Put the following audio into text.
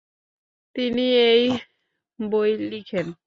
তিনি এই বই লিখেন।